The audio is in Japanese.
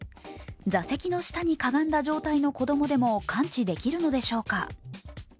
座席の下にかがんだ状態の子どもでも感知できるのでしょうか。